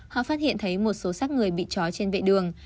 họ phát hiện thấy một số sát người bị chói trên vệ đường